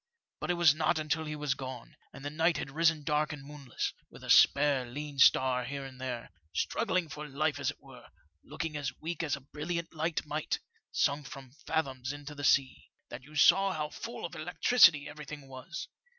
But it was not until he was gone, and the night had risen dark and moonless, with a spare lean star here and there, struggling for life as it were, looking as weak as a brilliant light might, sunk some fathoms into the sea, that you saw how full of electricity everything was.